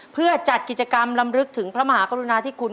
เพื่อจัดกิจกรรมลำลึกถึงพระมหากรุณาธิคุณ